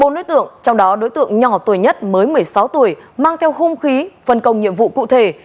bốn đối tượng trong đó đối tượng nhỏ tuổi nhất mới một mươi sáu tuổi mang theo hung khí phân công nhiệm vụ cụ thể